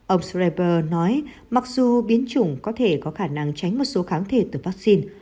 ông schreiber nói mặc dù biến chủng có thể có khả năng tránh một số kháng thể từ vắc xin